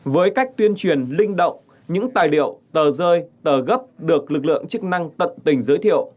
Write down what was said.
với cách tuyên truyền linh động những tài liệu tờ rơi tờ gấp được lực lượng chức năng tận tình giới thiệu